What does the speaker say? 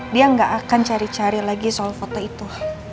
dia nggak akan cari cari lagi soal foto itu